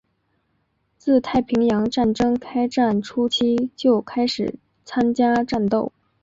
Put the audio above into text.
自太平洋战争开战初期就开始参加战斗。